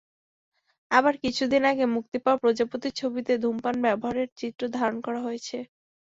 আবার কিছুদিন আগে মুক্তি পাওয়া প্রজাপতি ছবিতে ধূমপান ব্যবহারের চিত্র ধারণ করা হয়েছে।